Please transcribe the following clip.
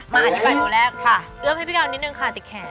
อธิบายตัวแรกค่ะเอื้อมให้พี่กาวนิดนึงค่ะติดแขน